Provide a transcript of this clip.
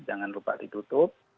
jangan lupa ditutup